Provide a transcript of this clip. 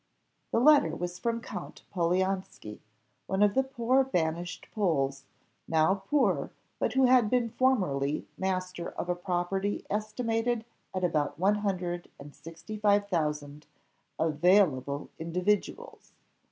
The letter was from Count Polianski, one of the poor banished Poles; now poor, but who had been formerly master of a property estimated at about one hundred and sixty five thousand available individuals.